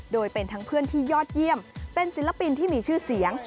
โดยเป็นทั้งเพื่อนที่ยอดเยี่ยมเป็นศิลปินที่มีชื่อเสียง